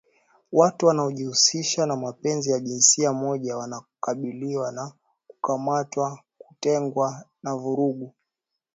watu wanaojihusisha na mapenzi ya jinsia moja wanakabiliwa na kukamatwa, kutengwa na vurugu